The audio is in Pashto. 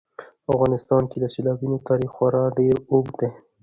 په افغانستان کې د سیلابونو تاریخ خورا ډېر اوږد دی.